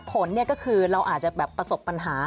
ผลก็คือเราอาจจะแบบประสบปัญหา